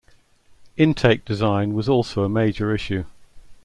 Intake design was also a major issue.